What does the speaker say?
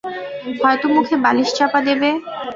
হয়তো মুখে বালিশ চাপা দেবে।